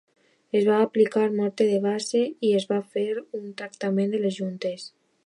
Es va aplicar morter de base i es va fer un tractament de les juntes.